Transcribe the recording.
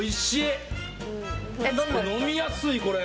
飲みやすい、これ！